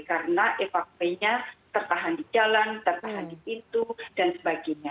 karena evakuasinya tertahan di jalan tertahan di pintu dan sebagainya